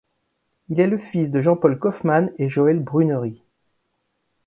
Il est le fils de Jean-Paul Kauffmann et Joëlle Brunerie.